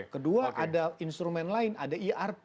kedua ada instrumen lain ada irp